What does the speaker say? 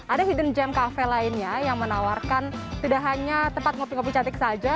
ada hidden gem cafe lainnya yang menawarkan tidak hanya tempat ngopi ngopi cantik saja